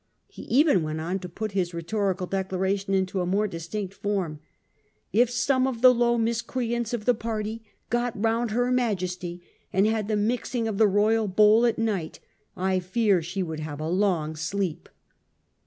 He even went on to put his rhetorical declara tion into a more distinct form :' If some of the low miscreants of the party got round her Majesty and had the mixin g of the royal bowl at night, I fear she would have a long sleep.